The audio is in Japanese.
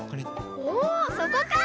おおそこか！